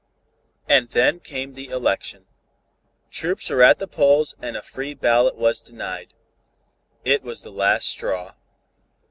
And then came the election. Troops were at the polls and a free ballot was denied. It was the last straw.